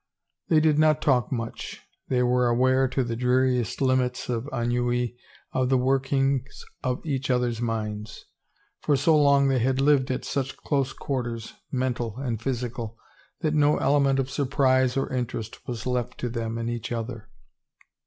They did not talk much; they were aware to the dreariest limits of ennui of the workings of each other^s minds. For so long they had lived at such close quar ters, mental and physical, that no element of surprise or interest was left to them in each other.